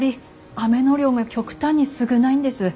雨の量が極端に少ないんです。